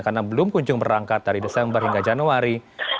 karena belum kunjung berangkat dari desember hingga januari